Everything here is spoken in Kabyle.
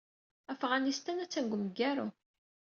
Afɣanistan attan deg wemgaru.